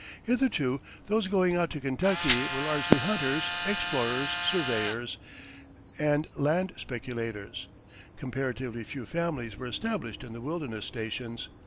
Hitherto those going out to Kentucky were largely hunters, explorers, surveyors, and land speculators; comparatively few families were established in the wilderness stations.